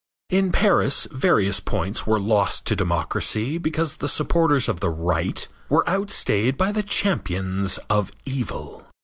In Paris various points were lost to democracy because the supporters of the right were outstayed by the champions of evil.